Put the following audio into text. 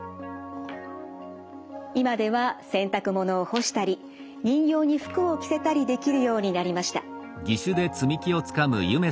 今では洗濯物を干したり人形に服を着せたりできるようになりました。